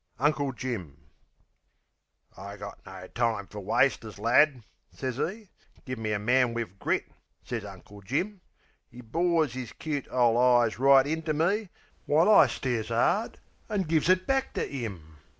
XII. Uncle Jim "I got no time fer wasters, lad," sez'e, "Give me a man wiv grit," sez Uncle Jim. 'E bores 'is cute ole eyes right into me, While I stares 'ard an' gives it back to 'im.